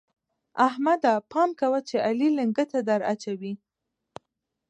احمده! پام کوه چې علي لېنګته دراچوي.